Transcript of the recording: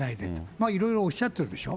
まあ、いろいろおっしゃってるでしょ。